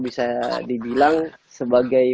bisa dibilang sebagai